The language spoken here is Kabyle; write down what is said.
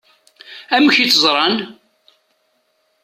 Amek i tt-ẓṛan?